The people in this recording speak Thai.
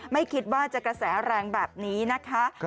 ไม่คิดว่าจะกระแสแรงแบบนี้นะคะ